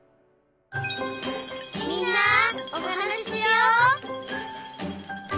「みんなおはなししよう」